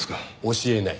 教えない。